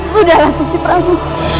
sudahlah gusti prabu